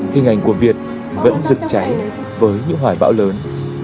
hình ảnh của việt vẫn rực cháy với những hoài bão lớn